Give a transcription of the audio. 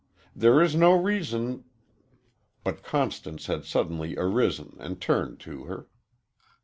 "There is no reason " But Constance had suddenly arisen and turned to her.